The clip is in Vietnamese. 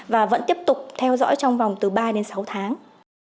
và vẫn tiếp tục theo dõi trong vòng từ ba đến sáu tháng